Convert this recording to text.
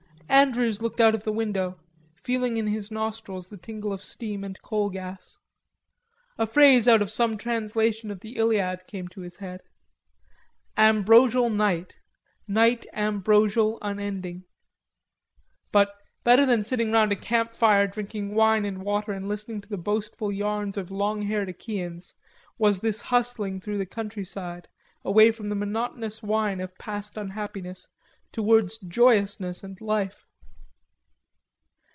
Andrews looked out of the window, feeling in his nostrils the tingle of steam and coal gas. A phrase out of some translation of the Iliad came to his head: "Ambrosial night, Night ambrosial unending." But better than sitting round a camp fire drinking wine and water and listening to the boastful yarns of long haired Achaeans, was this hustling through the countryside away from the monotonous whine of past unhappiness, towards joyousness and life.